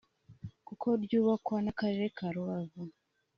kuko ryubakwaga n’Akarere ka Rubavu